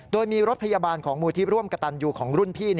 โดยมีรถพยาบาลของมูลที่ร่วมกระตันยูของรุ่นพี่